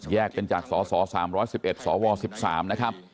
เป็นจากสส๓๑๑สว๑๓นะครับ